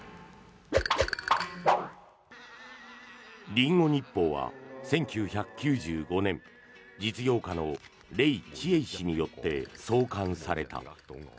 リンゴ日報は１９９５年実業家のレイ・チエイ氏によって創刊された。